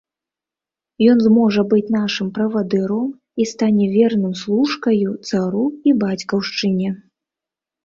Ён зможа быць нашым правадыром і стане верным служкаю цару і бацькаўшчыне.